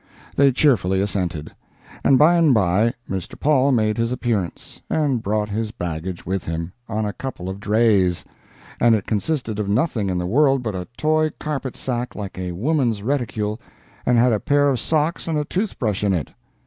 They cheerfully assented. And by and by Mr. Paul made his appearance, and brought his baggage with him, on a couple of drays. And it consisted of nothing in the world but a toy carpet sack like a woman's reticule, and had a pair of socks and a tooth brush in it.